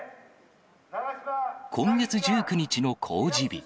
今月１９日の公示日。